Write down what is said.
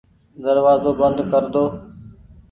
دروآزو بند ڪر دو ۔